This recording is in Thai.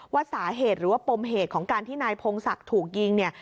ว่าสาเหตุหรือว่าปมเหตุของการที่นายพงศักดิ์ถูกยิงเนี่ย